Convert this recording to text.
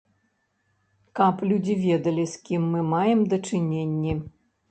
Каб людзі ведалі з кім мы маем дачыненні.